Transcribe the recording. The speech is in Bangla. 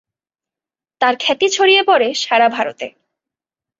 তার খ্যাতি ছড়িয়ে পড়ে সারা ভারতে।